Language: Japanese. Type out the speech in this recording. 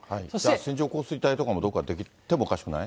線状降水帯もどこかに出来てもおかしくない？